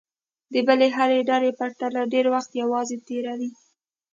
د بلې هرې ډلې پرتله ډېر وخت یوازې تېروي.